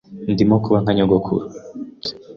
Ndimo kuba nka nyogokuru.